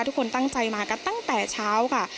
ทุกคนตั้งใจมากันตั้งแต่เช้าค่ะ